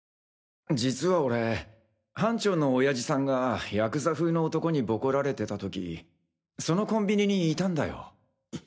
実は俺班長の親父さんがヤクザ風の男にボコられてた時そのコンビニにいたんだよ。